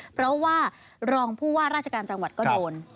เพราะว่ารองผู้ว่าราชการจังหวัดก็โดน